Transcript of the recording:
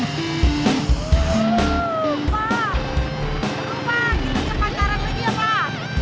pak kita ke panjarang lagi ya pak